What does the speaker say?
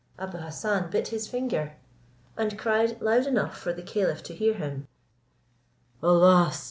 Abou Hassan bit his finger, and cried loud enough for the caliph to hear him, "Alas!